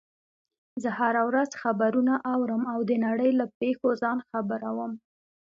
زه هره ورځ خبرونه اورم او د نړۍ له پیښو ځان خبر وم